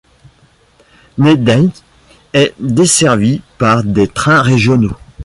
Nendeln est desservie par des trains régionaux.